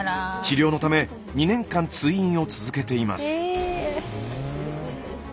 治療のため２年間通院を続けています。